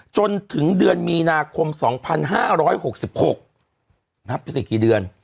จนถึงเดือนมีนาคมสองพันห้าร้อยหกสิบหกนะฮะไปสักกี่เดือน